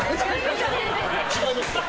違います。